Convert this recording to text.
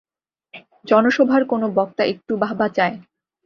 জনসভার কোন বক্তা একটু বাহবা চায়।